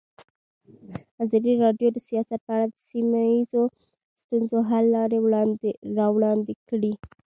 ازادي راډیو د سیاست په اړه د سیمه ییزو ستونزو حل لارې راوړاندې کړې.